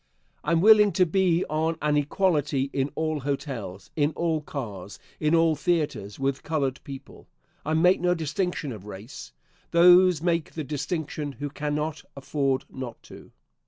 I am willing to be on an equality in all hotels, in all cars, in all theatres, with colored people. I make no distinction of race. Those make the distinction who cannot afford not to.